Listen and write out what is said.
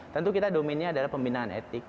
tentu kita domainnya adalah pembinaan etik